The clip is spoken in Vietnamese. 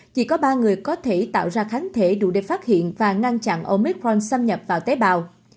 chỉ có ba người có thể tạo ra kháng thể đủ để phát hiện và ngăn chặn omitpron xâm nhập vào tế bào